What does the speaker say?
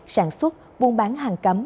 sản xuất buôn bán hàng cấm